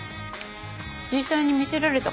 実際に見せられたから。